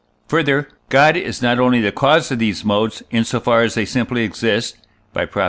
Further, God is not only the cause of these modes, in so far as they simply exist (by Prop.